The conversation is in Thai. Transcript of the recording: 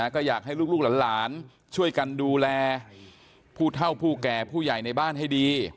ก็อยากให้ลูกหลานช่วยกันดูแลผู้เท่าผู้แก่ผู้ใหญ่ในบ้านให้ดี